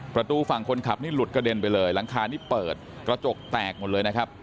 ประตูฝั่งคนขับนี่หลุดกระเด็นไปเลยหลังคานี่เปิดกระจกแตกหมดเลยนะครับ